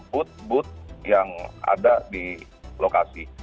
bud bud yang ada di lokasi